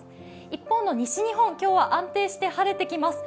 一方の西日本、今日は安定して晴れてきます。